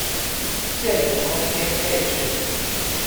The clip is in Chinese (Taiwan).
建築空間配置